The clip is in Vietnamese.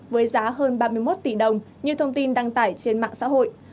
với giá hơn ba mươi một tỷ đồng như thông tin đăng tải trên mạng xã hội